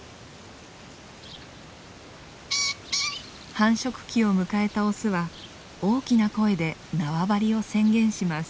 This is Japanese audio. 繁殖期を迎えたオスは大きな声で縄張りを宣言します。